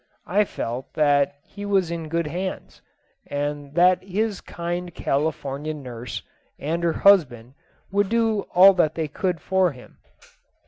I felt that he was in good hands, and that his kind Californian nurse and her husband would do all that they could for him.